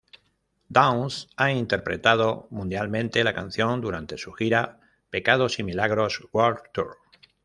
Downs ha interpretado mundialmente la canción durante su gira Pecados y Milagros World Tour.